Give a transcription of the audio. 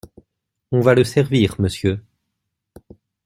On va le servir, monsieur.